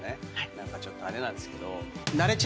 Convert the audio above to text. ちょっとあれなんですけど。